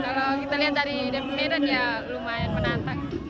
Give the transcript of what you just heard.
kalau kita lihat dari medan ya lumayan menantang